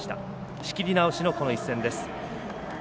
仕切り直しのこの一戦です。